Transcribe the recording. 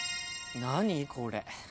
何これ。